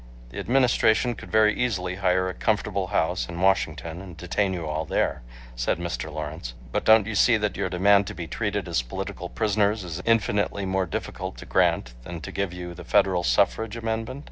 "The Administration could very easily hire a comfortable house in Washington and detain you all there," said Mr. Lawrence, "but don't you see that your demand to be treated as' political prisoners is infinitely more difficult to grant than to give you the federal suffrage amendment?